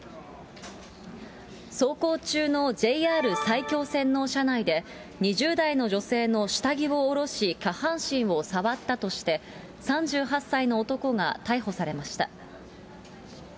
走行中のＪＲ埼京線の車内で、２０代の女性の下着をおろし下半身を触ったとして、３８歳の男が逮捕されました。